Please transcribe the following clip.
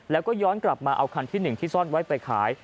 แล้วก็ย้อนกลับมาเอาคันที่๑ที่ซ่อนไว้ไปขาย